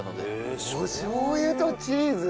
おしょうゆとチーズ？